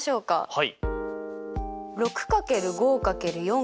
はい。